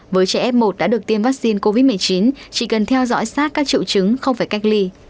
với trẻ f một đã được tiêm vaccine covid một mươi chín chỉ cần theo dõi sát các triệu chứng không phải cách ly